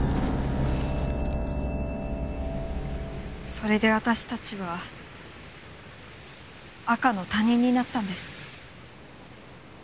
それで私たちは赤の他人になったんです。